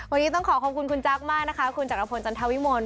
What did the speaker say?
วันนี้ต้องขอขอบคุณคุณจักรมากนะคะคุณจักรพลจันทวิมล